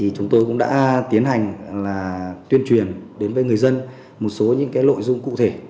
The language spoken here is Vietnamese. chúng tôi cũng đã tiến hành tuyên truyền đến với người dân một số lội dung cụ thể